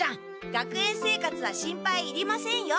学園生活は心配いりませんよ。